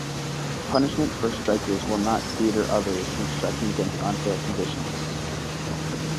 Punishment for strikers will not deter others from striking against unfair conditions.